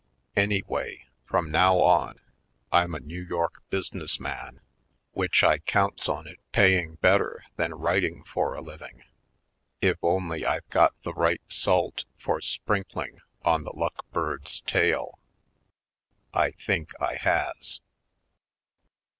Anyway, from now on, I'm a New York business man, which 270 /. Poindexter, Colored I counts on it paying better than writing for a living, if only I've got the right salt for sprinkling on the Luck Bird's tail. I think I has.